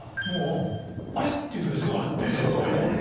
もうあれっ⁉っていうときがすごいあって。